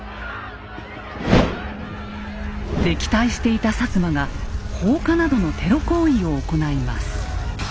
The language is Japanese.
敵対していた摩が放火などのテロ行為を行います。